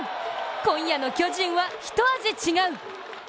今夜の巨人は一味違う！